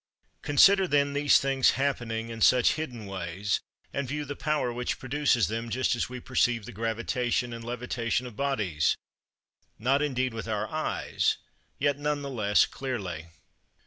Consider then these things happening in such hidden ways, and view the power which produces them just as we perceive the gravitation and levitation of bodies; not indeed with our eyes, yet none the less clearly.